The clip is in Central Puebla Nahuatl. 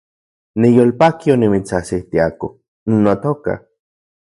Niyolpaki onimitsajsitiako, notoka